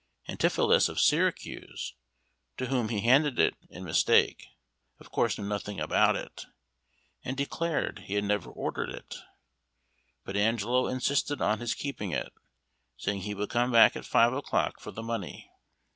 Antipholus of Syracuse, to whom he handed it in mistake, of course knew nothing about it, and declared he had never ordered it; but Angelo insisted on his keeping it, saying he would come back at five o'clock for the money.